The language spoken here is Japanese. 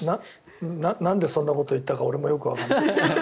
なんでそんなことを言ったか俺もよくわからない。